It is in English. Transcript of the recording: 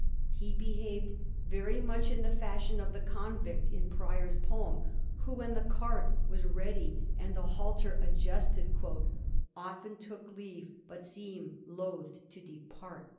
He behaved very much in the fashion of the convict in Prior's poem, who, when the cart was ready and the halter adjusted, Often took leave but seemed loth to depart.